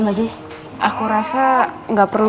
mamu ters disappearing